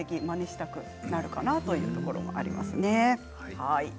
まねしたくなるかなというところもありますね。